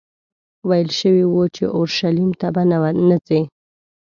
ویل شوي وو چې اورشلیم ته به نه ځې.